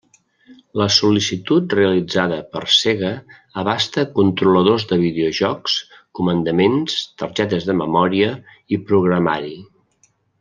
La sol·licitud realitzada per Sega abasta controladors de videojocs, comandaments, targetes de memòria i programari.